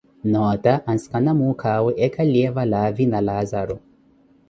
noota ansikana muukhawe eekhaliye valaavi na Laazaru.